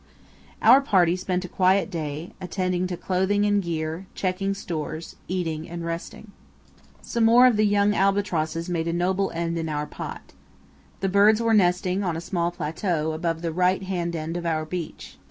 Our party spent a quiet day, attending to clothing and gear, checking stores, eating and resting. Some more of the young albatrosses made a noble end in our pot. The birds were nesting on a small plateau above the right hand end of our beach.